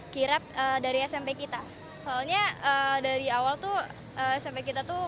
kirap dari smp kita soalnya dari awal tuh smp kita tuh